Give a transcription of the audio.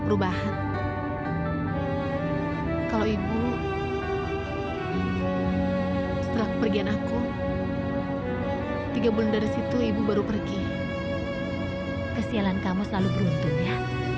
sampai jumpa di video selanjutnya